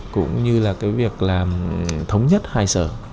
cũng như là việc làm thống nhất hài sở